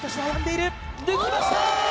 抜きました